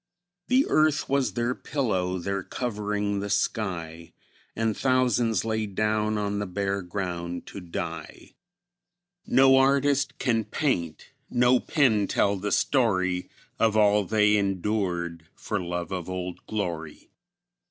The earth was their pillow, their covering the sky; And thousands lay down on the bare ground to die; No artist can paint, no pen tell the story Of all they endured for love of "Old Glory."